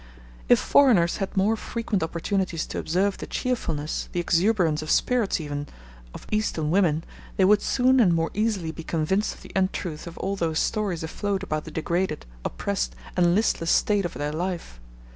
If foreigners had more frequent opportunities to observe the cheerfulness, the exuberance of spirits even, of Eastern women, they would soon and more easily be convinced of the untruth of all those stories afloat about the degraded, oppressed, and listless state of their life.